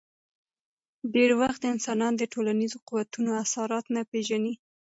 ډېری وخت انسانان د ټولنیزو قوتونو اثرات نه پېژني.